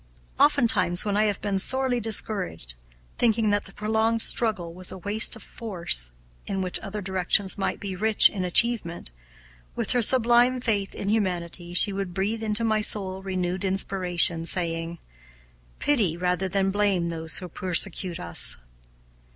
Oftentimes, when I have been sorely discouraged, thinking that the prolonged struggle was a waste of force which in other directions might be rich in achievement, with her sublime faith in humanity, she would breathe into my soul renewed inspiration, saying, "Pity rather than blame those who persecute us."